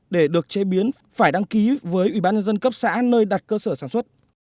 để được chế biến phải đăng ký với ủy ban nhân dân cấp xã nơi đặt cơ sở sản xuất